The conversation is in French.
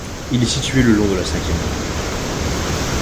Il est situé le long de la Cinquième Avenue.